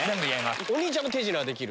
お兄ちゃんも手品できる？